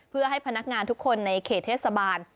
เพื่อให้พนักงานทุกคนในเขตเทศบาล